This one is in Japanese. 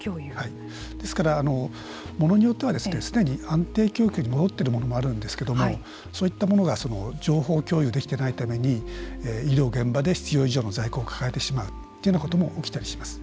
ですから、ものによってはすでに安定供給に戻っているものもあるんですけれどもそういったものが情報共有できていないために医療現場で必要以上の在庫を抱えてしまうというようなことも起きたりします。